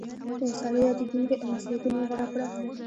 یو ساده، یادېدونکی او مسلکي نوم غوره کړه.